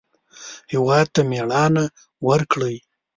هېواد ته مېړانه ورکړئ